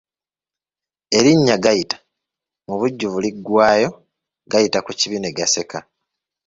Erinnya Gayita mubujjuvu liri Gayita ku kibi ne gaseka.